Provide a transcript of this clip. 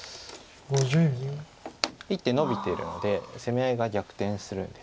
１手のびてるので攻め合いが逆転するんです。